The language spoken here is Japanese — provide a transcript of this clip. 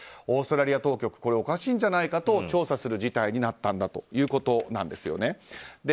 オーストラリア当局これはおかしいんじゃないかと調査する事態になったんだということです。